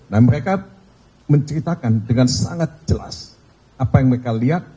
nah mereka menceritakan dengan sangat jelas apa yang mereka lihat